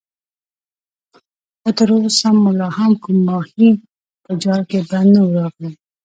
خو تر اوسه مو لا کوم ماهی په جال کې بند نه وو راغلی.